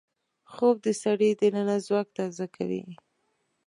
خوب د سړي دننه ځواک تازه کوي